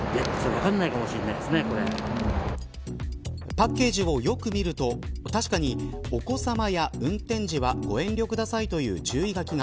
パッケージをよく見ると確かに、お子さまや運転時はご遠慮くださいという注意書きが。